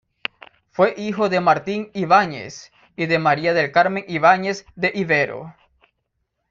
Fue hijo de Martín Ibáñez y de María del Carmen Ibáñez de Ibero.